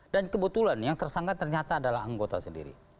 dan kebetulan yang tersangka ternyata adalah anggota sendiri